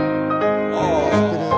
知ってる。